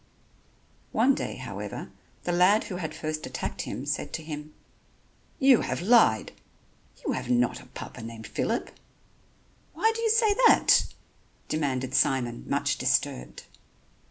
One day, however, the lad who had first attacked him said to him: "You have lied. You have not a Papa named Phillip." "Why do you say that?" demanded Simon, much disturbed.